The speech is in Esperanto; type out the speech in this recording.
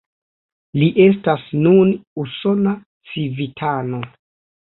Li estas nun usona civitano.